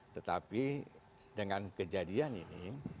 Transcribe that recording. tetapi dengan kejadian ini